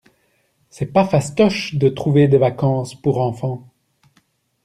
C'est pas fastoche de trouver des vacances pour enfants.